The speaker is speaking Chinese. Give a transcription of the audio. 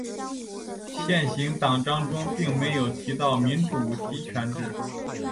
现行党章中并没有提到民主集权制。